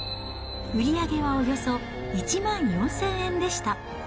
売り上げはおよそ１万４０００円でした。